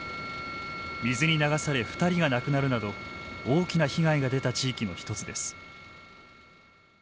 水に流され２人が亡くなるなど大きな被害が出た地域の一つです。